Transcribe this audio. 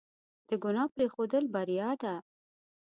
د ګناه پرېښودل بریا ده.